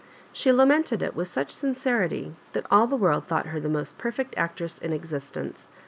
She lamented it with such sincerity that all the world thought her the most perfect actress in existence.